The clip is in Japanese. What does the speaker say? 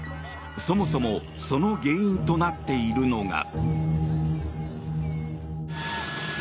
そもそもその原因となっているのが。